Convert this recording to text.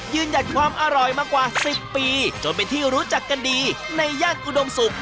ยืนยันความอร่อยมากว่า๑๐ปีจนเป็นที่รู้จักกันดีในย่านอุดมศุกร์